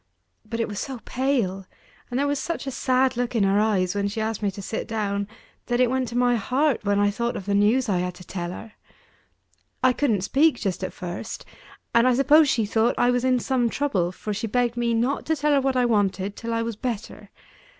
But it was so pale, and there was such a sad look in her eyes when she asked me to sit down, that it went to my heart, when I thought of the news I had to tell her. I couldn't speak just at first; and I suppose she thought I was in some trouble for she begged me not to tell her what I wanted, till I was better.